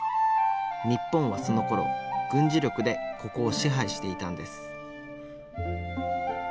日本はそのころ軍事力でここを支配していたんです